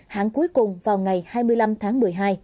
tháng cuối cùng vào ngày hai mươi năm tháng một mươi hai